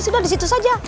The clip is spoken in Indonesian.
sudah di situ saja